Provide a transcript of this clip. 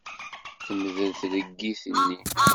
Temdel tleggit-nni.